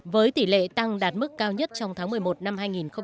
với tỷ lệ tăng đạt mức cao nhất trong tháng một mươi một năm hai nghìn một mươi sáu